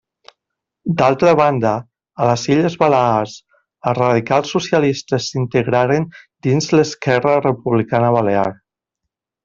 D'altra banda, a les Illes Balears, els radicals socialistes s'integraren dins l'Esquerra Republicana Balear.